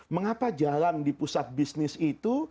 mengapa jalan di pusat bisnis itu